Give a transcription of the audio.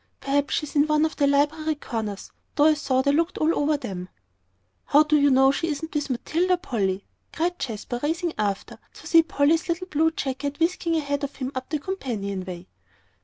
"Perhaps she is in one of the library corners, though I thought I looked over them all." "How do you know she isn't with Matilda, Polly?" cried Jasper, racing after, to see Polly's little blue jacket whisking ahead of him up the companion way.